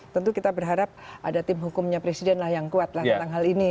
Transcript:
tentu kita berharap ada tim hukumnya presiden lah yang kuat lah tentang hal ini